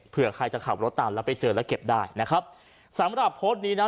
เพื่อใครจะขับรถตามแล้วไปเจอแล้วเก็บได้นะครับสำหรับโพสต์นี้นะ